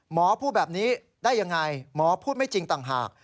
หมอพูดแบบนี้ได้ยังไงหมอพูดไม่จริงต่างหาก